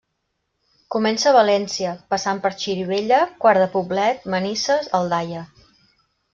Comença a València, passant per Xirivella, Quart de Poblet, Manises, Aldaia.